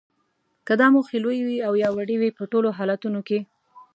که دا موخې لویې وي او یا وړې وي په ټولو حالتونو کې